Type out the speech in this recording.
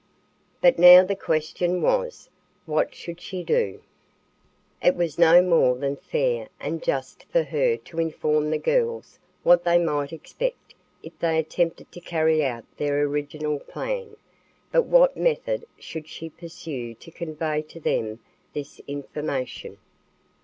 But now the question was, What should she do? It was no more than fair and just for her to inform the girls what they might expect if they attempted to carry out their original plan, but what method should she pursue to convey to them this information?